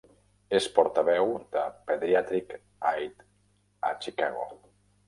És portaveu de Pediatric Aids a Chicago.